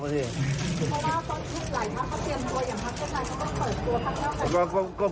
คือเขาโดยตไรด้านนั้นก็ฝัคตัวภาพน่ะ